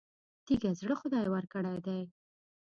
تېږه زړه خدای ورکړی دی.